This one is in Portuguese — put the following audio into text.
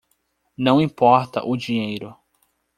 Não importa o dinheiro.